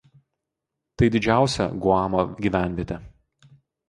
Tai didžiausia Guamo gyvenvietė.